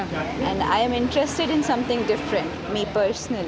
dan saya tertarik dengan sesuatu yang berbeda saya sendiri